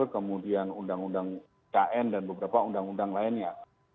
kemudian undang undang kn dan beberapa undang undang lainnya